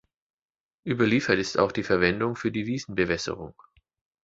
Überliefert ist auch die Verwendung für die Wiesenbewässerung.